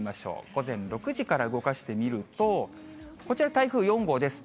午前６時から動かしてみると、こちら、台風４号です。